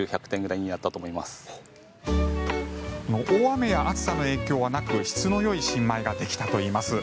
大雨や暑さの影響はなく質のよい新米ができたといいます。